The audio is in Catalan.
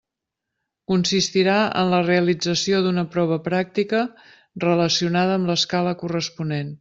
Consistirà en la realització d'una prova pràctica relacionada amb l'escala corresponent.